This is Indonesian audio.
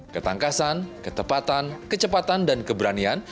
ketangkasan ketepatan kecepatan dan keberanian